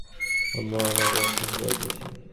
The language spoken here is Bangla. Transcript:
আম্মু, ও আমার গায়ে সুসু করে দিয়েছে!